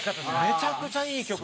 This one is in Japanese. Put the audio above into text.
めちゃくちゃいい曲で。